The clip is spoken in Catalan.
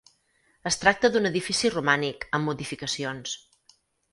Es tracta d'un edifici romànic, amb modificacions.